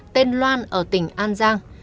tên loan ở tỉnh an giang